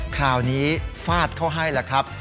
คราวนี้ฟาดเขาให้ล่ะครับ